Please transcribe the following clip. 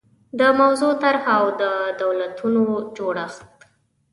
د موضوع طرحه او د دولتونو جوړښت